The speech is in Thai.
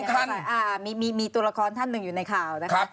ท่านมีตัวละครท่านหนึ่งอยู่ในข่าวนะคะ